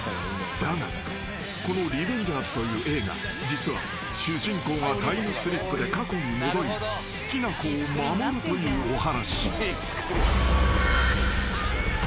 ［だがこの『リベンジャーズ』という映画実は主人公がタイムスリップで過去に戻り好きな子を守るというお話］